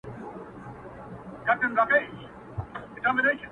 سیاه پوسي ده! افغانستان دی!